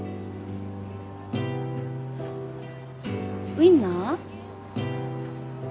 ウインナー？